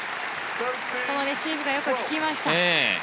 レシーブがよく効きました。